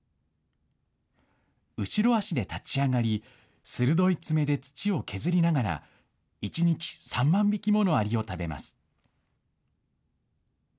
後ろ足で立ち上がり、鋭い爪で土を削りながら１日３万匹ものアリを食べます。